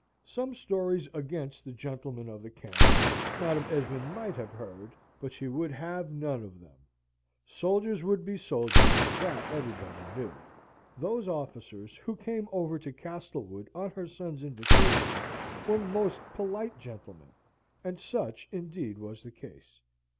Some stories against the gentlemen of the camp, Madam Esmond might have heard, but she would have none of them. Soldiers would be soldiers, that everybody knew; those officers who came over to Castlewood on her son's invitation were most polite gentlemen, and such indeed was the case.